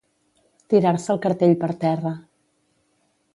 Tirar-se el cartell per terra.